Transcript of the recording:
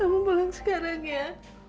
kamu pulang sekarang ya